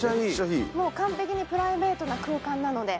完璧にプライベートな空間なので。